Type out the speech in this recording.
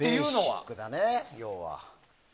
ベーシックだね、要は。